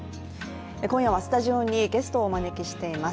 今夜はスタジオにゲストをお招きしています。